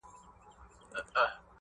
اوس نه منتر کوي اثر نه په مُلا سمېږي!